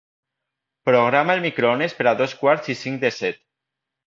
Programa el microones per a dos quarts i cinc de set.